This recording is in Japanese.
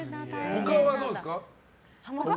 他はどうですか？